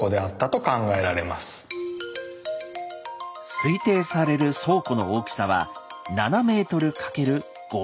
推定される倉庫の大きさは７ｍ×５ｍ。